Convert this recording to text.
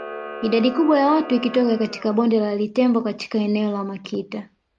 Idadi kubwa ya watu ikitoka katika bonde la Litembo katika eneo la Makita